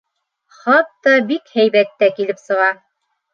Хатта бик һәйбәт тә килеп сыға.